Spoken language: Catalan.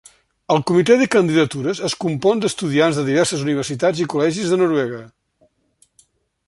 El Comitè de Candidatures es compon d'estudiants de diverses universitats i col·legis de Noruega.